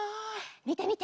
みてみて！